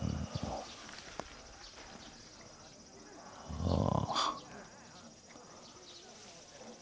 ああ。